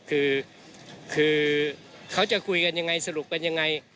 คือเขาจะคุยกันยังไงสรุปกันยังไง